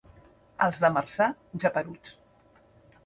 Els de Marçà, geperuts.